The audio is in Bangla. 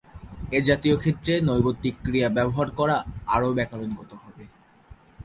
এ জাতীয় ক্ষেত্রে নৈর্ব্যক্তিক ক্রিয়া ব্যবহার করা আরও ব্যাকরণগত হবে।